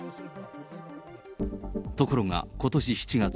ところが、ことし７月。